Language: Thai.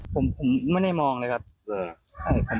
ผมไม่ได้มองเลยครับ